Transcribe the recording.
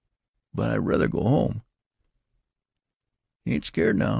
But I rather go home." "You ain't scared now.